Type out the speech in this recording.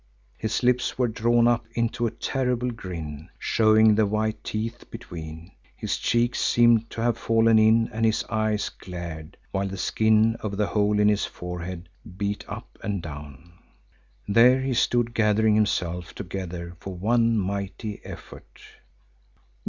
His lips were drawn up into a terrible grin, showing the white teeth between; his cheeks seemed to have fallen in and his eyes glared, while the skin over the hole in his forehead beat up and down. There he stood, gathering himself together for some mighty effort.